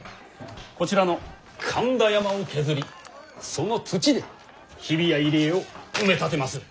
こちらの神田山を削りその土で日比谷入り江を埋め立てまする。